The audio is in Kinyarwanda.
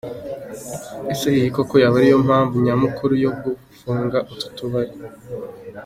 Ese iyi koko yaba ari yo mpamvu nyamukuru yo gufunga utu tubari ?.